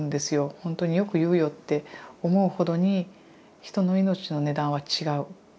ほんとによく言うよ！って思うほどに人の命の値段は違う。